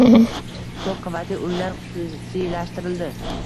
Koʻp qavatli uylar xususiylashtirildi.